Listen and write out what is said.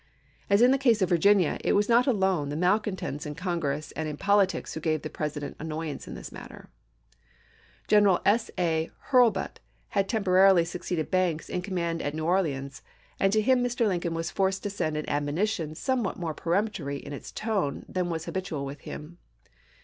As in the case of Virginia, it was not alone the malcontents in Congress and in politics who gave the President annoyance in this matter. 446 ABRAHAM LINCOLN chap. xix. General S. A. Hurlbut had temporarily succeeded Banks in command at New Orleans, and to him Mr. Lincoln was forced to send an admonition somewhat more peremptory in its tone than was habitual with him.